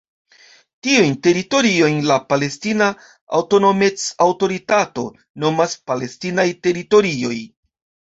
Tiujn teritoriojn la Palestina Aŭtonomec-Aŭtoritato nomas "palestinaj teritorioj".